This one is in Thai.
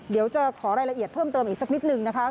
เดี๋ยวจะขอรายละเอียดเพิ่มเติมอีกสักนิดนึงนะคะ